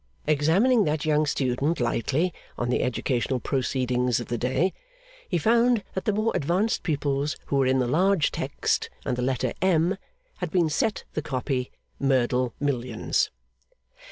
Examining that young student, lightly, on the educational proceedings of the day, he found that the more advanced pupils who were in the large text and the letter M, had been set the copy 'Merdle, Millions.